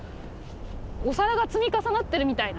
お皿が積み重なってるみたいな。